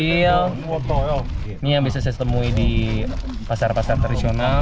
ini yang bisa saya temui di pasar pasar tradisional